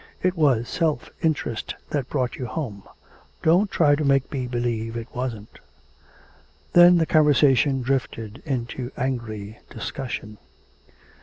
It was self interest that brought you home. Don't try to make me believe it wasn't.' Then the conversation drifted into angry discussion.